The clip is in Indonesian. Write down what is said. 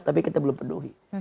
tapi kita belum penuhi